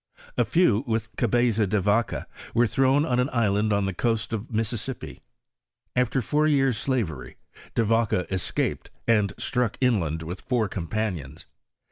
A few with Gabeza de Yaca were thrown on an island on the coast of Mississippi. After four jears' slavery, De '^aca escaped and stmck inland with fonr companions.